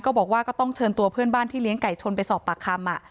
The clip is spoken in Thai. บอกว่าก็ต้องเชิญตัวเพื่อนบ้านที่เลี้ยงไก่ชนไปสอบปากคำ